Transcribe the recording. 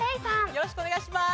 よろしくお願いします。